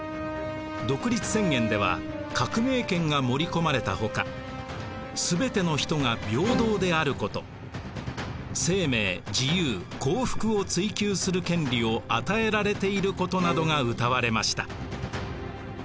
独立宣言では革命権が盛り込まれたほかすべての人が平等であること生命・自由・幸福を追求する権利を与えられていることなどがうたわれました。